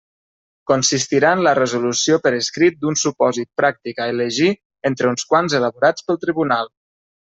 Consistirà en la resolució per escrit d'un supòsit pràctic a elegir entre uns quants elaborats pel tribunal.